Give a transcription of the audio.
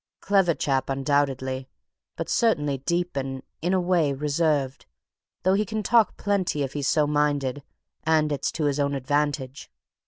Clever chap, undoubtedly, but certainly deep and, in a way, reserved, though he can talk plenty if he's so minded and it's to his own advantage.